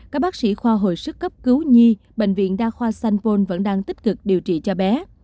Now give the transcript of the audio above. các bác sĩ kho hội sức cấp cứu nhi bệnh viện đa khoa sanfone vẫn đang tích cực điều trị cho bé